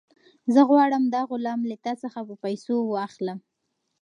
زه غواړم دا غلام له تا څخه په پیسو واخیستم.